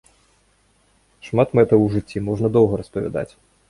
Шмат мэтаў у жыцці, можна доўга распавядаць.